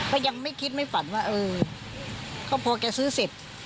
ก็ยังไม่คิดไม่ฝันว่าเออก็พอแกซื้อเสร็จ